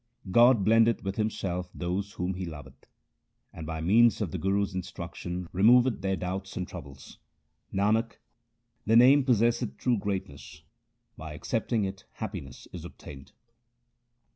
God blendeth with Himself those whom He loveth, And by means of the Guru's instruction removeth their doubts and troubles. Nanak, the Name possesseth true greatness ; by accepting it happiness is obtained.